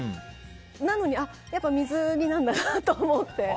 なのに水着なんだなと思って。